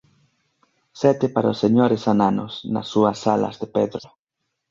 Sete para os Señores Ananos nas súas salas de pedra.